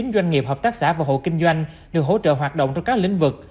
bốn trăm hai mươi chín doanh nghiệp hợp tác xã và hội kinh doanh được hỗ trợ hoạt động trong các lĩnh vực